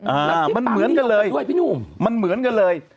อ่ามันเหมือนกันเลยมันเหมือนกันเลย